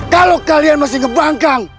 kalau kalian masih ngebangkang